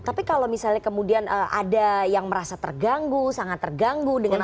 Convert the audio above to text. tapi kalau misalnya kemudian ada yang merasa terganggu sangat terganggu dengan apa